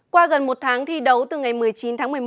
qua gần một tháng thi đấu từ ngày một mươi chín tháng một mươi một